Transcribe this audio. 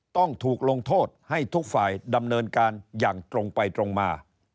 ต้องถูกลงโทษให้ทุกฝ่ายดำเนินการอย่างตรงไปตรงมา